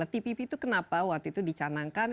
tpp itu kenapa waktu itu dicanangkan